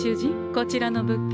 こちらの物件